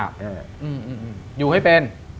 อืมอยู่ให้เป็น